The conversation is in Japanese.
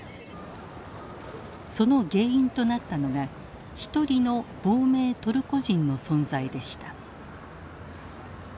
その原因となったのが一人の亡命トルコ人の存在でした。